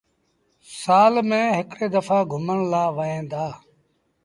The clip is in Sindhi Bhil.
سآل ميݩ هڪڙي دڦآ گھمڻ لآ وهيݩ دآ۔